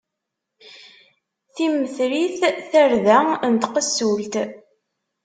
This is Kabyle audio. Timmetrit, tarda n tqessult.